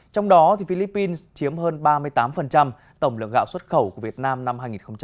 trong đó philippines chiếm hơn ba mươi tám tổng lượng gạo xuất khẩu của việt nam năm hai nghìn một mươi chín